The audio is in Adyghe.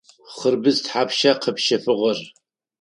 Хъырбыдз тхьапша къэпщэфыгъэр?